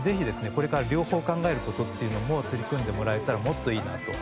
これから両方考える事っていうのも取り組んでもらえたらもっといいなと。